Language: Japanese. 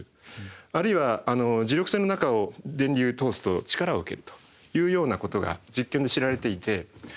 あるいは磁力線の中を電流通すと力を受けるというようなことが実験で知られていて。